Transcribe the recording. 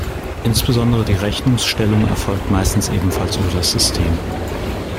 Insbesondere die Rechnungsstellung erfolgt meistens ebenfalls über das System.